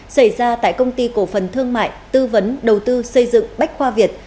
xảy ra tại công ty cổ phần thương mại tư vấn đầu tư xây dựng bách khoa việt